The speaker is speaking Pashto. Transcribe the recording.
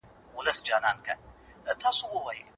د پوهنتونونو په کچه د کریکټ او فوټبال سیالۍ جوړیږي؟